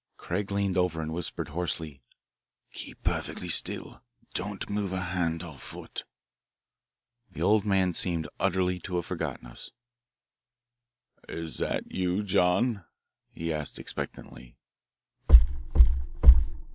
Craig leaned over to me and whispered hoarsely, "Keep perfectly still don't move a hand or foot." The old man seemed utterly to have forgotten us. "Is that you, John?" he asked expectantly.